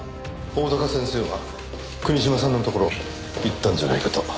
大鷹先生は国島さんのところ行ったんじゃないかと。